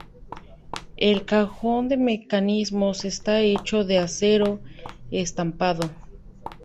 El cajón de mecanismos está hecho de acero estampado.